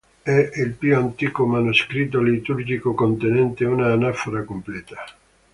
È il più antico manoscritto liturgico contenente una anafora completa.